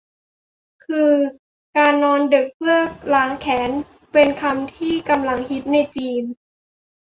คือ "การนอนดึกเพื่อล้างแค้น" เป็นคำที่กำลังฮิตในจีน